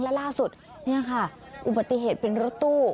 และล่าสุดนี่ค่ะอุบัติเหตุเป็นรถตู้